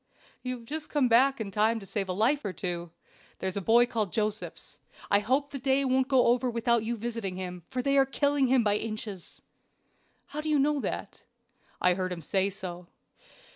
"You have just come back in time to save a life or two. There is a boy called Josephs. I hope the day won't go over without your visiting him, for they are killing him by inches." "How do you know that?" "I heard him say so."